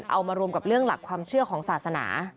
เอามารวมกับเรื่องหลักความเชื่อของศาสนา